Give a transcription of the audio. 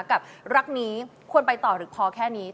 กับรักนี้ควรไปต่อหรือพอแค่นี้